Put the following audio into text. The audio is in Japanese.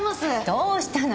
どうしたの？